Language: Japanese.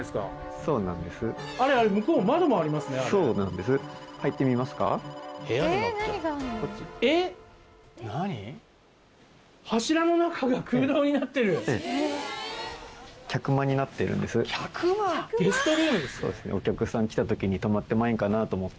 そうですねお客さん来たときに泊まってまいんかなと思って。